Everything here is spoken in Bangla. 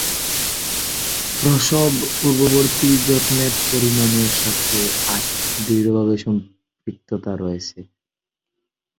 প্রসব-পূর্ববর্তী যত্নের পরিমাণের সাথে আয়ের দৃঢ়ভাবে সম্পৃক্ততা রয়েছে।